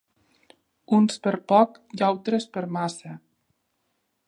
Uns per poc i altres per massa.